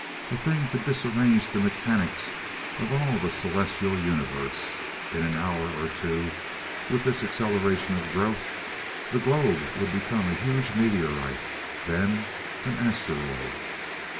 A thing to disarrange the mechanics of all the Celestial Universe! In an hour or two, with this acceleration of growth, the globe would be a huge meteorite then an asteroid....